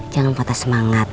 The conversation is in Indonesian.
jangan patah semangat